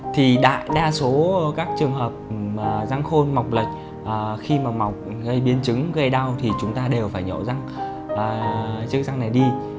thì đa số các trường hợp răng khôn mọc lệch khi mà mọc gây biến chứng gây đau thì chúng ta đều phải nhổ răng này đi